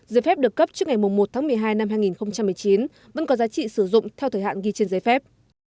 giấy phép được cấp trước ngày một tháng một mươi hai năm hai nghìn một mươi chín vẫn có giá trị sử dụng theo thời hạn ghi trên giấy phép